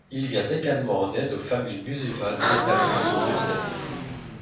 Il vient également en aide aux familles musulmanes établies dans son diocèse.